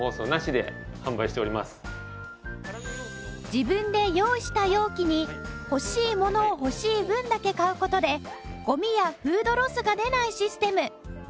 自分で用意した容器に欲しいものを欲しい分だけ買う事でゴミやフードロスが出ないシステム